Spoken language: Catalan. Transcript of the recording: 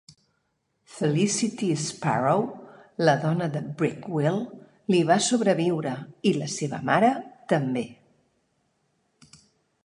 Felicity Sparrow, la dona de Breakwell, li va sobreviure, i la seva mare també.